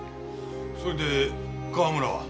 それで川村は？